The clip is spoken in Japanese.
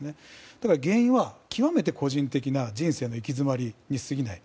だから原因は極めて個人的な人生の行き詰まりに過ぎない。